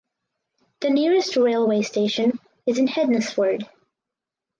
The nearest railway station is in Hednesford.